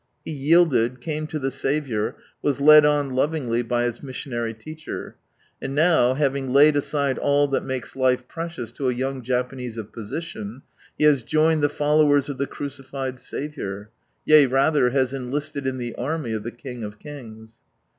He yielded, came to the Saviour, was led on lovingly, by his missionary teacher ; and now, having laid aside all that makes life precious to a young Japanese of position, he has joined the followers of the crucified Saviour — yea, rather, has enlisted in the arniy of the King of kings.